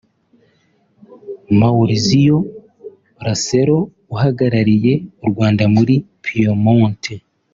Maurizio Rasero; Uhagarariye u Rwanda muri Piemonte